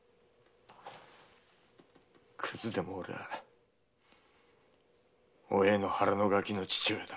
クズでも俺はお栄の腹のガキの父親だ！